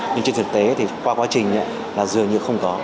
nhưng trên thực tế thì qua quá trình là dường như không có